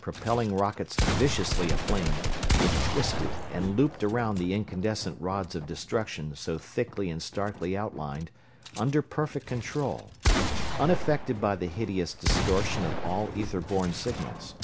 Propelling rockets viciously aflame, it twisted and looped around the incandescent rods of destruction so thickly and starkly outlined, under perfect control; unaffected by the hideous distortion of all ether borne signals.